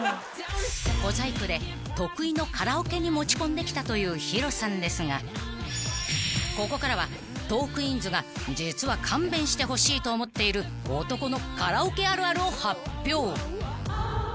［小細工で得意のカラオケに持ち込んできたというＨｉｒｏさんですがここからはトークィーンズが実は勘弁してほしいと思っている男のカラオケあるあるを発表］